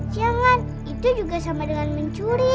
jangan itu juga sama dengan mencuri